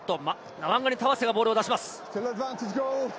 ナワンガニタワセがボールを出します。